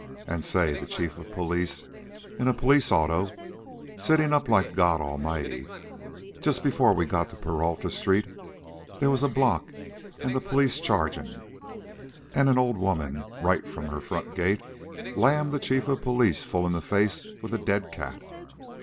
An' say, the chief of police, in a police auto, sittin' up like God Almighty just before we got to Peralta street they was a block an' the police chargin', an' an old woman, right from her front gate, lammed the chief of police full in the face with a dead cat.